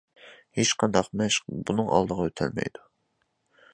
ھېچقانداق مەشىق بۇنىڭ ئالدىغا ئۆتەلمەيدۇ.